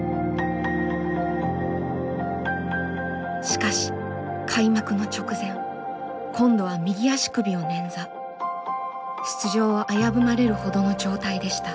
しかし開幕の直前今度は出場を危ぶまれるほどの状態でした。